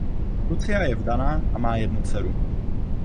Lucia je vdaná a má jednu dceru.